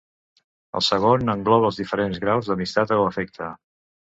El segon engloba els diferents graus d'amistat o afecte.